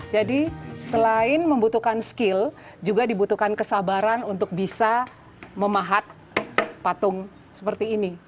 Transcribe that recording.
jadi selain membutuhkan kemampuan juga dibutuhkan kesabaran untuk bisa memahat patung seperti ini